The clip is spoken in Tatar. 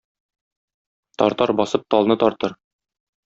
Тартар басып талны тартыр